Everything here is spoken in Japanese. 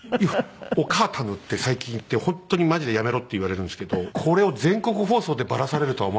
「お母たぬ」って最近言って本当に「マジでやめろ」って言われるんですけどこれを全国放送でばらされるとは思わなかったですね。